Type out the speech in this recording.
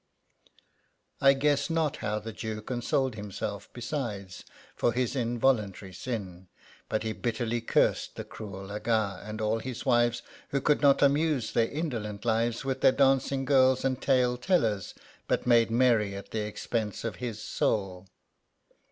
I guess not how the Jew consoled himself besides for his involuntary sin, but he bitterly cursed the cruel Aga and all his wives, who could not amuse llieir indolent lives with their dancing girls and tale tellers, but made merry at the expense of his soul.